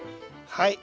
はい。